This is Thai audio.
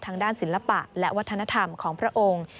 ทางด้านศิลปะและวัฒนธรรมของพระองค์